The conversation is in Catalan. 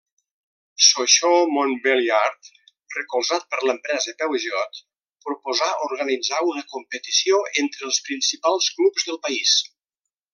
Sochaux-Montbéliard, recolzat per l'empresa Peugeot, proposà organitzar una competició entre els principals clubs del país.